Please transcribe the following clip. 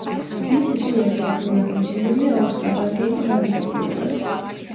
მისი სურათი ასევე აღმოჩენილია ორ საბანკეტო გამოსახულებაზე.